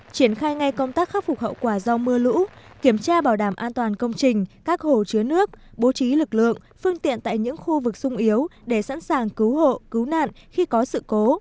triển khai ngay công tác khắc phục hậu quả do mưa lũ kiểm tra bảo đảm an toàn công trình các hồ chứa nước bố trí lực lượng phương tiện tại những khu vực sung yếu để sẵn sàng cứu hộ cứu nạn khi có sự cố